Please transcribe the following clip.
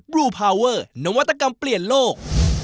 ลูพาวเวอร์นวัตกรรมเปลี่ยนโลก